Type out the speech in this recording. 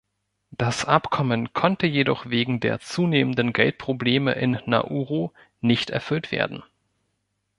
Das Abkommen konnte jedoch wegen der zunehmenden Geldprobleme in Nauru nicht erfüllt werden.